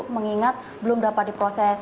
mengingat belum dapat diproses